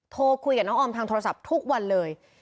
โทรคุยกับน้องออมทางโทรศัพท์ทุกวันเลย